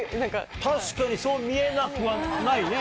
確かにそう見えなくはないね。